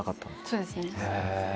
そうですね。